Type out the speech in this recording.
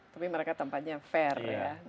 tapi mereka tampaknya fair ya